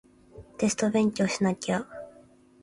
テスト勉強しなきゃ